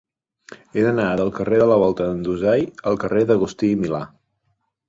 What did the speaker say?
He d'anar del carrer de la Volta d'en Dusai al carrer d'Agustí i Milà.